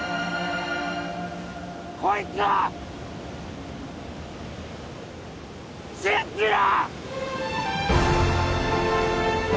こいつを信じろ！